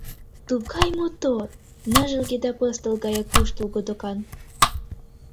Тугай мотор, ныжылге да пыстыл гаяк куштылго докан.